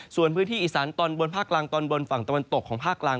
ส่วนพื้นที่อีสานตอนบนภาคกลางตอนบนฝั่งตะวันตกของภาคกลาง